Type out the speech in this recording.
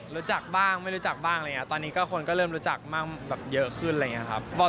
รู้จักบ้างไม่รู้จักบ้างอะไรอย่างนี้ตอนนี้ก็คนก็เริ่มรู้จักบ้างแบบเยอะขึ้นอะไรอย่างนี้ครับ